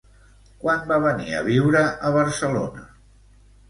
Quan va venir a viure a Barcelona?